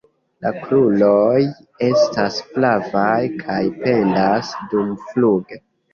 La kruroj estas flavaj kaj pendas dumfluge.